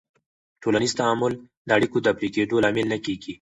ټولنیز تعامل د اړیکو د پرې کېدو لامل نه کېږي.